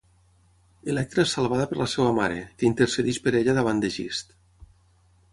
Electra és salvada per la seva mare, que intercedeix per ella d'avant d'Egist.